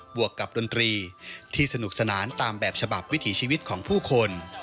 วกกับดนตรีที่สนุกสนานตามแบบฉบับวิถีชีวิตของผู้คน